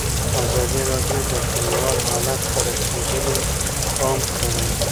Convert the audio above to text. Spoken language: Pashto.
ازادي راډیو د کډوال حالت ته رسېدلي پام کړی.